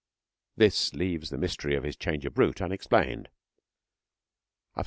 This leaves the mystery of his change of route unexplained.